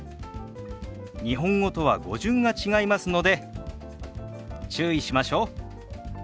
日本語とは語順が違いますので注意しましょう。